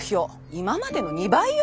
今までの２倍よ？